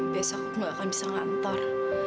besok aku juga akan bisa ngantar